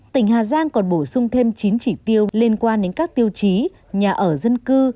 tỉnh hà giang còn bổ sung thêm chín chỉ tiêu liên quan đến các tiêu chí nhà ở dân cư